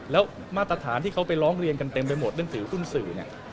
แล้วมาตรฐานที่เขาไปร้องเรียนกันเต็มไปหมดเรื่องถือหุ้นสื่อเนี่ย